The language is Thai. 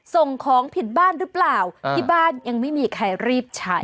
ส่งของผิดบ้านหรือเปล่าที่บ้านยังไม่มีใครรีบใช้